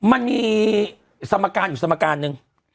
มันมีสมการอยู่สมการหนึ่ง